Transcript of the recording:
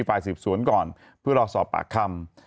ฟ้าสืบศูนย์ก่อนเพื่อรอสอบปากคำ